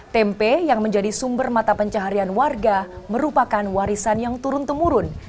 tempe yang menjadi sumber mata pencaharian warga merupakan warisan yang turun temurun